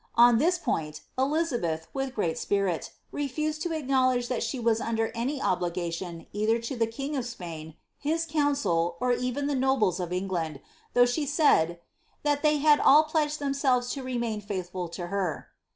On this point, Elizabeth, with great spirit, re fbsed to acknowledge that she was under any obligation either to the king of Spain, his council, or even to the nobles of England, though she ttid *^ that they had all pledged themselves to remain faithful to her."